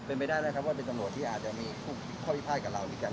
เป็นไปได้นะครับว่าเป็นตำรวจที่อาจจะมีข้อพิพาทกับเราด้วยกัน